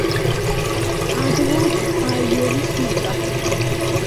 ადოლფ ბაიერის მოწაფე.